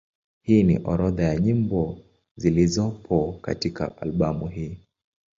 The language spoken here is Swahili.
Hii ni orodha ya nyimbo zilizopo katika albamu hii.